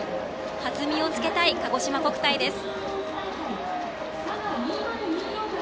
弾みをつけたいかごしま国体です。